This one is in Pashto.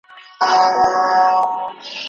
افغاني ولسواکي زموږ د کلتور په اډانه کي ممکنه وه.